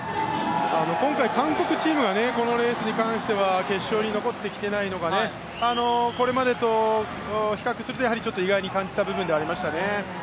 今回、韓国チームが決勝に残っていないのがこれまでと比較すると少し意外に感じた部分ではありましたね。